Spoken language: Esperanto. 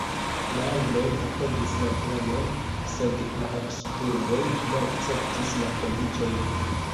La angloj apogis la planon, sed la Habsburgoj ne akceptis la kondiĉojn.